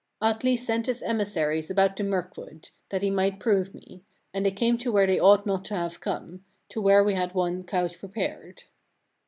25. Atli sent his emissaries about the Murkwood, that he might prove me; and they came to where they ought not to have come, to where we had one couch prepared.